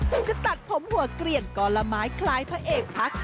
จะตัดผมหัวกลี่ยนต์ก็ละไม้คล้ายพระเอกภัคดิ์